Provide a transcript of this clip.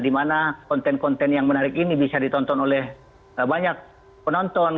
di mana konten konten yang menarik ini bisa ditonton oleh banyak penonton